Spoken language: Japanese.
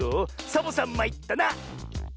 「サボさんまいったな」！